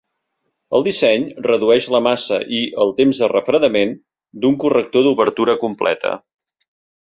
El disseny redueix la massa i el "temps de refredament" d'un corrector d'obertura completa.